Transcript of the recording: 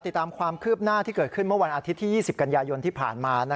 ติดตามความคืบหน้าที่เกิดขึ้นเมื่อวันอาทิตย์ที่๒๐กันยายนที่ผ่านมา